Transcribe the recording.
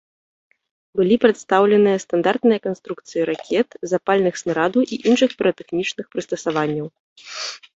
Былі прадстаўленыя стандартныя канструкцыі ракет, запальных снарадаў і іншых піратэхнічных прыстасаванняў.